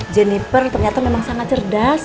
jenniper ternyata memang sangat cerdas